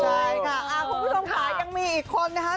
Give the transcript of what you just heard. ใช่ค่ะคุณผู้ชมค่ะยังมีอีกคนนะคะ